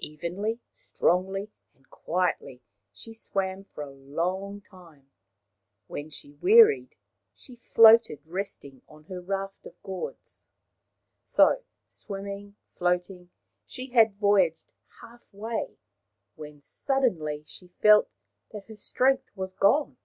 Evenly, strongly and quietly she swam for a long time. When she wearied, she floated rest fully on her raft of gourds. So, swimming, floating, she had voyaged half way, when suddenly she felt that her strength was gone.